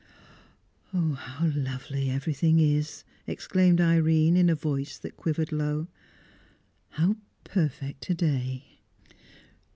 "Oh, how lovely everything is!" exclaimed Irene, in a voice that quivered low. "How perfect a day!"